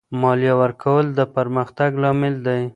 مالیه ورکول د پرمختګ لامل دی.